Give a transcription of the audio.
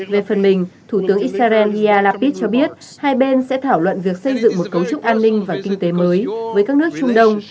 về phần mình thủ tướng israel lapid cho biết hai bên sẽ thảo luận việc xây dựng một cấu trúc an ninh và kinh tế mới với các nước trung đông